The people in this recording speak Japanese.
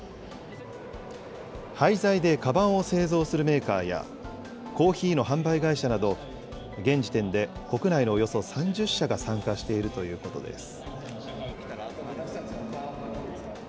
廃材でかばんを製造するメーカーや、コーヒーの販売会社など、現時点で国内のおよそ３０社が参加しているということです。